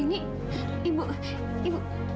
ini ibu ibu